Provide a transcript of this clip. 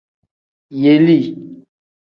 Yelii.